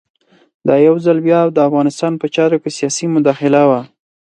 دا یو ځل بیا د افغانستان په چارو کې سیاسي مداخله وه.